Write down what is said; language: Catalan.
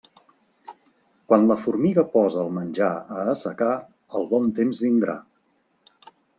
Quan la formiga posa el menjar a assecar, el bon temps vindrà.